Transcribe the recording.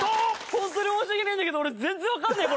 ホントに申し訳ないんだけど俺全然わかんねえこれ！